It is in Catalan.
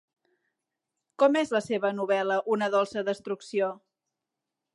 Com és la seva novel·la Una dolça destrucció?